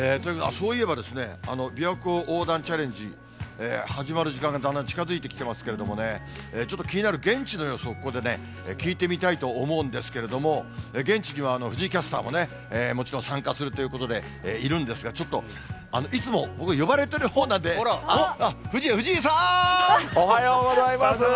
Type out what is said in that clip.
そういえばですね、びわ湖横断チャレンジ、始まる時間がだんだん近づいてきてますけれどもね、ちょっと気になる現地の予想をここで聞いてみたいと思うんですけれども、現地には藤井キャスターももちろん参加するということで、いるんですが、ちょっと、いつも僕、呼ばれてるほうなんで、おっ、藤井さん！おはようございます。